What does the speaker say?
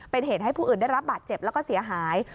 เป็นเหตุให้ผู้อื่นได้รับบาดเจ็บแล้วก็เสียหาย